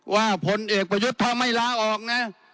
ผลเอกประยุทธ์ถ้าไม่ลาออกนะ